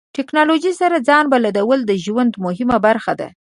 ټکنالوژي سره ځان بلدول د ژوند مهمه برخه ده.